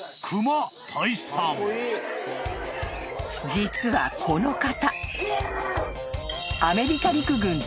［実はこの方］